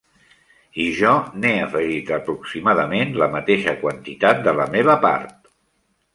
I jo n'he afegit aproximadament la mateixa quantitat de la meva part.